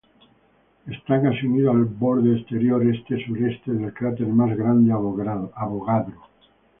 Está casi unido al borde exterior este-sureste del cráter más grande Avogadro.